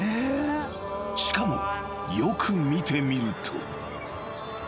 ［しかもよく見てみると］